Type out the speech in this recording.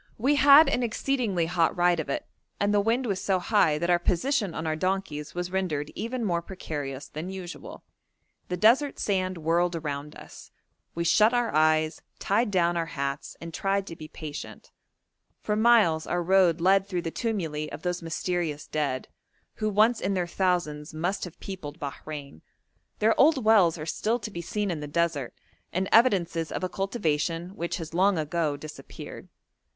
We had an exceedingly hot ride of it, and the wind was so high that our position on our donkeys was rendered even more precarious than usual. The desert sand whirled around us: we shut our eyes, tied down our hats, and tried to be patient; for miles our road led through the tumuli of those mysterious dead, who once in their thousands must have peopled Bahrein; their old wells are still to be seen in the desert, and evidences of a cultivation which has long ago disappeared.